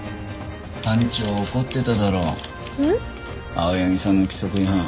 青柳さんの規則違反。